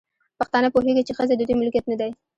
پښتانه پوهيږي، چې ښځې د دوی ملکيت نه دی